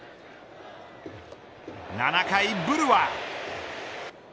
７回、ブルワー。